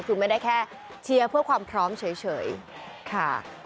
คือไม่ได้แค่เชียร์เพื่อความพร้อมเฉยค่ะ